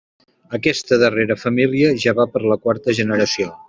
Aquesta darrera família ja va per la quarta generació.